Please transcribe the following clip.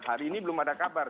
hari ini belum ada kabar